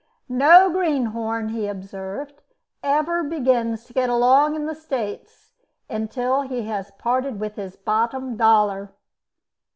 "No greenhorn," he observed, "ever begins to get along in the States until he has parted with his bottom dollar.